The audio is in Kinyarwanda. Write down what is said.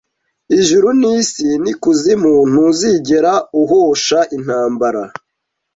Ijuru nisi nikuzimu Ntuzigera uhosha intambara